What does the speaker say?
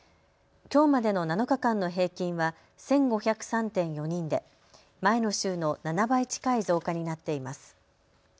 きょうまでの７日間の平均は１５０３．４人で、前の週の７倍近い増加になっています。